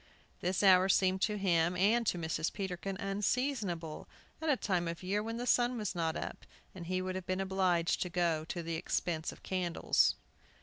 This hour seemed to him and to Mrs. Peterkin unseasonable, at a time of year when the sun was not up, and he would have been obliged to go to the expense of candles.